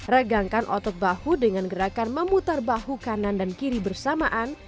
regangkan otot bahu dengan gerakan memutar bahu kanan dan kiri bersamaan